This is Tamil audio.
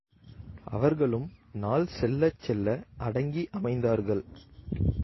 அவர்களும் நாள் செல்லச்செல்ல அடங்கி அமைந்தார்கள்.